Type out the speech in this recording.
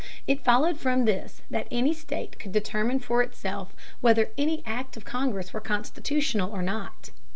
It followed from this that any state could determine for itself whether any act of Congress were constitutional or not.